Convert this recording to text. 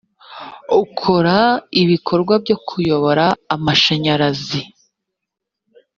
ukora ibikorwa byo kuyobora amashanyarazi